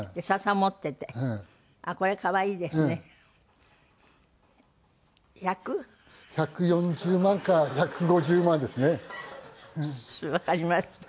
わかりました。